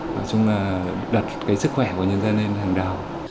nói chung là đặt cái sức khỏe của nhân dân lên hàng đầu